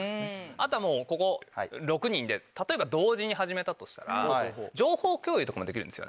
あとはもうここ６人で例えば同時に始めたとしたら情報共有とかもできるんですよね。